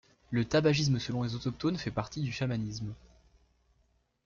Le tabagisme selon les autochtones fait partie du chamanisme.